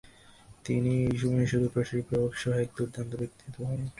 তিনি এই সময়ে সুদূরপ্রসারী প্রভাব সহ এক দুর্দান্ত ব্যক্তিত্ব হয়ে ওঠেন।